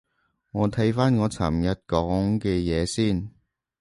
你睇返我尋日講嘅嘢先